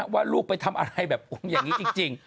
ว่าลูกไปทำอะไรแบบอย่างนี้จริง